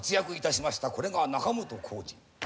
これが仲本工事。